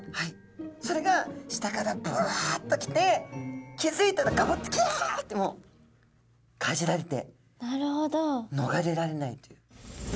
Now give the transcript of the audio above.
それが下からブワッと来て気付いたらガブッてキャッてもうかじられてのがれられないという。